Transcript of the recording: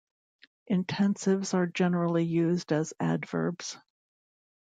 Intensives are generally used as adverbs.